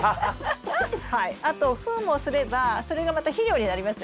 あとふんをすればそれがまた肥料になりますよね。